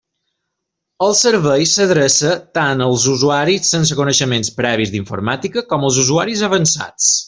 El servei s'adreça tant als usuaris sense coneixements previs d'informàtica, com als usuaris avançats.